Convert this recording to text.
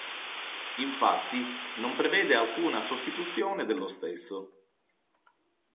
Infatti non prevede alcuna sostituzione dello stesso.